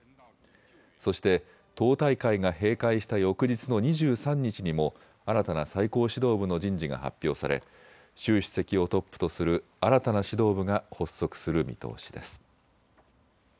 そして党大会が閉会した翌日の２３日にも新たな最高指導部の人事が発表され習主席をトップとする新たな指導部が発足する見通しです。